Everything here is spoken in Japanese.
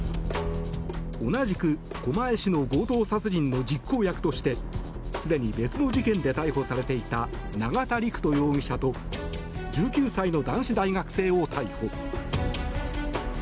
同じく狛江市の強盗殺人の実行役としてすでに別の事件で逮捕されていた永田陸人容疑者と１９歳の男子大学生を逮捕。